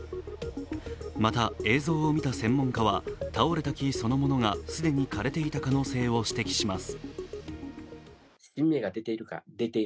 また、映像を見た専門家は倒れた木そのものが既に枯れていた可能性を指摘します。